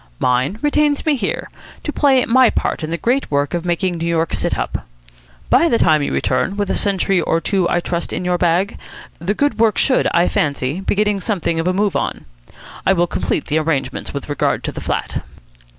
Mine retains me here, to play my part in the great work of making New York sit up. By the time you return, with a century or two, I trust, in your bag, the good work should, I fancy, be getting something of a move on. I will complete the arrangements with regard to the flat."